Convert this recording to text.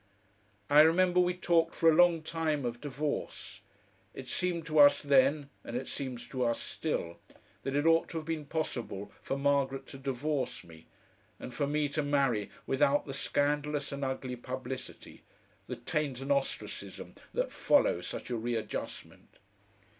I remember we talked for a long time of divorce. It seemed to us then, and it seems to us still, that it ought to have been possible for Margaret to divorce me, and for me to marry without the scandalous and ugly publicity, the taint and ostracism that follow such a readjustment.